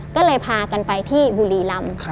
ก็เลยพากันไปที่บุรีรำ